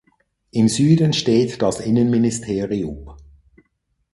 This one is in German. Im Süden steht das Innenministerium.